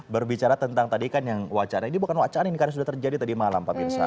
berbicara tentang tadi kan yang wacana ini bukan wacana ini karena sudah terjadi tadi malam pak mirsa